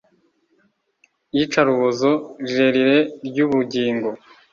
Iyicarubozo rirerire ryubugingo